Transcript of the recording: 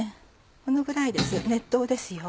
このぐらいです熱湯ですよ。